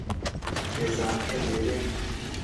خێزانەکەت لێرەیە.